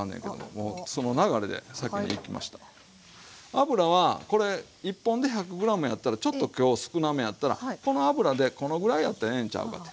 油はこれ１本で１００ｇやったらちょっと今日少なめやったらこの油でこのぐらいやったらええんちゃうかって。